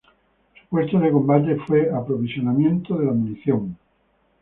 Su puesto de combate fue aprovisionamiento de la munición.